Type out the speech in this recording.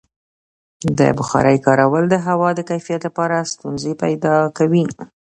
د بخارۍ کارول د هوا د کیفیت لپاره ستونزې پیدا کوي.